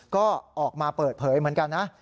ก็ออกมาเปิดเผยเหมือนกันนะ